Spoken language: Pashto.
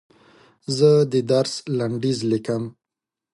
زه د درس لنډیز لیکم.